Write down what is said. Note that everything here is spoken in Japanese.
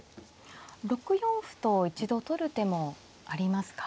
６四歩と一度取る手もありますか？